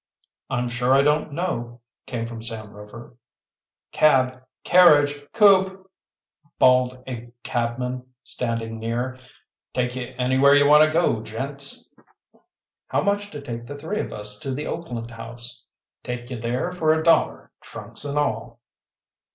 "I'm sure I don't know," came from Sam Rover. "Cab! carriage! coupe!" bawled a cabman standing near. "Take you anywhere you want to go, gents." "How much to take the three of us to the Oakland House?" "Take you there for a dollar, trunks and all."